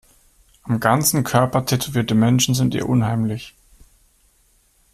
Am ganzen Körper tätowierte Menschen sind ihr unheimlich.